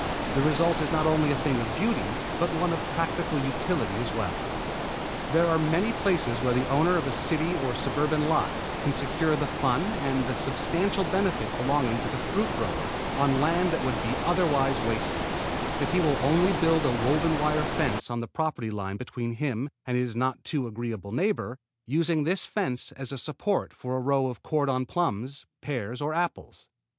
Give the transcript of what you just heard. The result is not only a thing of beauty but one of practical utility as well. There are many places where the owner of a city or suburban lot can secure the fun and the substantial benefits belonging to the fruit grower on land that would be otherwise wasted, if he will only build a woven wire fence on the property line between him and his not too agreeable neighbor, using this fence as a support for a row of cordon plums, pears or apples.